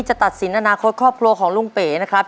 จะตัดสินอนาคตครอบครัวของลุงเป๋นะครับ